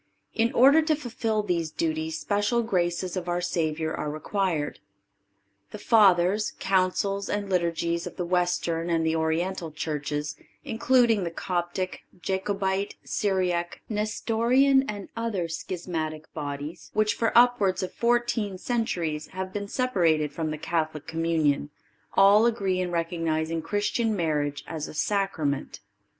In order to fulfil these duties special graces of our Savior are required. The Fathers, Councils and Liturgies of the Western and the Oriental Churches, including the Coptic, Jacobite, Syriac, Nestorian and other schismatic bodies, which for upwards of fourteen centuries have been separated from the Catholic communion, all agree in recognizing Christian marriage as a Sacrament.